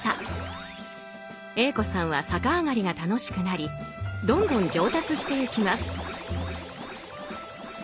Ａ子さんは逆上がりが楽しくなりどんどん上達してゆきます。